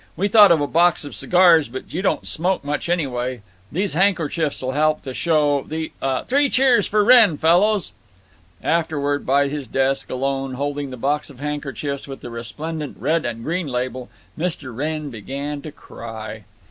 We thought of a box of cigars, but you don't smoke much; anyway, these han'k'chiefs'll help to show—Three cheers for Wrenn, fellows!" Afterward, by his desk, alone, holding the box of handkerchiefs with the resplendent red and green label, Mr. Wrenn began to cry.